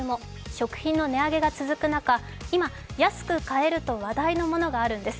食品の値上げが続く中、今、安く買えると話題のものがあるんです。